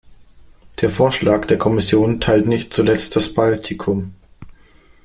Der Vorschlag der Kommission teilt nicht zuletzt das Baltikum.